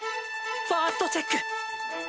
ファーストチェック！